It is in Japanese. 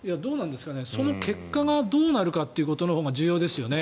その結果がどうなるかということのほうが重要ですよね。